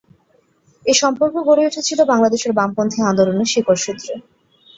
এ সম্পর্ক গড়ে উঠেছিল বাংলাদেশের বামপন্থী আন্দোলনের শিকড়সূত্রে।